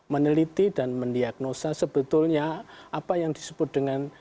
meneliti dan mendiagnosa sebetulnya apa yang disebut dengan